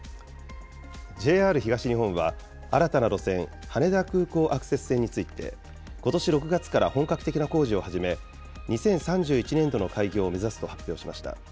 ＪＲ東日本は、新たな路線、羽田空港アクセス線について、ことし６月から本格的な工事を始め、２０３１年度の開業を目指すと発表しました。